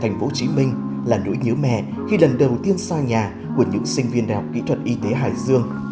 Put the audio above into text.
hồ chí minh là nỗi nhớ mẹ khi lần đầu tiên xa nhà của những sinh viên đạo kỹ thuật y tế hải dương